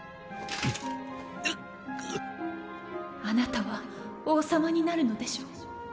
あなたは王様になるのでしょう？